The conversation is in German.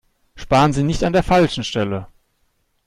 Sparen Sie nicht an der falschen Stelle!